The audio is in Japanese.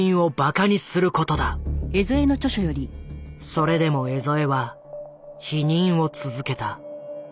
それでも江副は否認を続けた。